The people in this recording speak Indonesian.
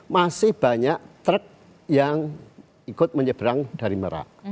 masih banyak truk yang ikut menyeberang dari merak